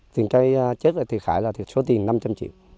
tiền cây chết là thiệt hại là số tiền năm trăm linh triệu